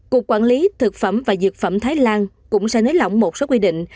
cục quản lý thực phẩm và dược phẩm thái lan cũng sẽ nới lỏng một số quy định